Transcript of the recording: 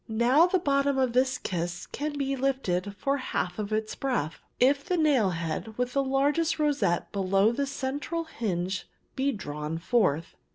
"'Now the bottom of this kist can be lifted for half its breadth, if the nail head with the largest rosette below the central hinge be drawn forth.